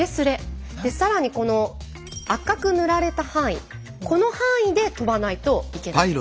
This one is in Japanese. で更にこの赤く塗られた範囲この範囲で飛ばないといけないんです。